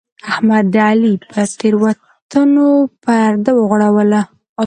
احمد د علي پر تېروتنو پرده وغوړوله.